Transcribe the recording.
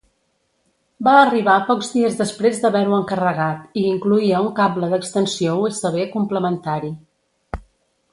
Va arribar pocs dies després d'haver-ho encarregat i incloïa un cable d'extensió USB complementari.